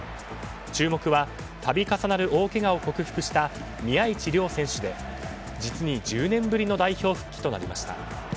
注目は度重なる大けがを克服した宮市亮選手で実に１０年ぶりの代表復帰となりました。